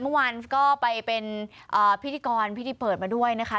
เมื่อวานก็ไปเป็นพิธีกรพิธีเปิดมาด้วยนะคะ